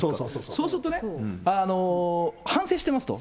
そうするとね、反省してますと。